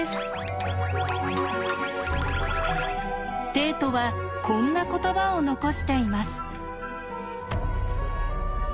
テイトはこんな言葉を残しています。